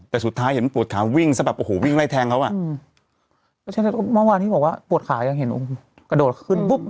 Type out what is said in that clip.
แต่สุดท้ายเห็นปวดขาวิ่งซะแบบโอ้โหวิ่งไล่แทงเขาอ่ะอืมเพราะฉะนั้นเมื่อวานที่บอกว่าปวดขายังเห็นกระโดดขึ้นปุ๊บ